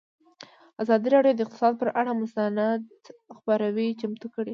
ازادي راډیو د اقتصاد پر اړه مستند خپرونه چمتو کړې.